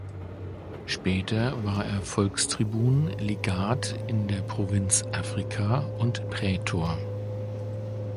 Später war er Volkstribun, Legat in der Provinz Africa und Prätor.